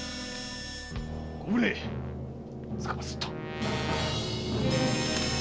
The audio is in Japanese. ご無礼つかまつった。